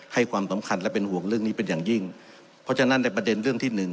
ให้ความสำคัญและเป็นห่วงเรื่องนี้เป็นอย่างยิ่งเพราะฉะนั้นในประเด็นเรื่องที่หนึ่ง